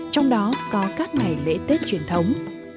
trong đó có các ngày lễ tết truyền thống